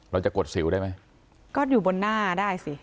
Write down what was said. กดสิวได้ไหมก็อยู่บนหน้าได้สิ